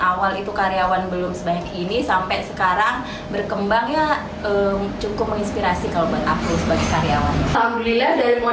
awal itu karyawan belum sebagian ini sampai sekarang berkembangnya cukup menginspirasi kalau beraktu sebagai karyawan